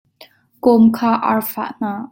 Kawm kha ar fah hna.